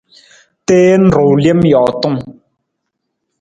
Teen ruu lem jootung.